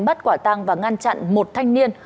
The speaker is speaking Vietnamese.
bắt quả tăng và ngăn chặn một thanh niên